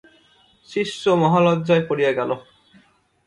শিষ্য মহা লজ্জায় পড়িয়া গেল।